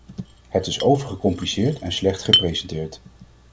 Het is overgecompliceerd en slecht gepresenteerd.